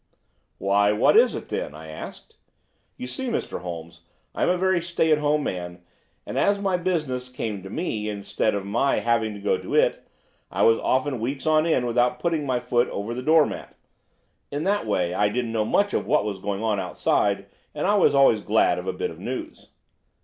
"'Why, what is it, then?' I asked. You see, Mr. Holmes, I am a very stay at home man, and as my business came to me instead of my having to go to it, I was often weeks on end without putting my foot over the door mat. In that way I didn't know much of what was going on outside, and I was always glad of a bit of news.